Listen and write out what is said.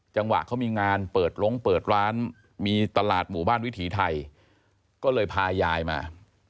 จังหวะเขามีงานเปิดลงเปิดร้านมีตลาดหมู่บ้านวิถีไทยก็เลยพายายมา